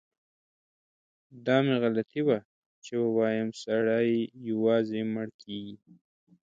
دا مې غلطي وه چي ووایم سړی یوازې مړ کیږي.